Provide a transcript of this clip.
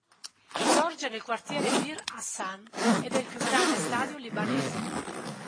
Sorge nel quartiere Bir Hassan ed è il più grande stadio libanese.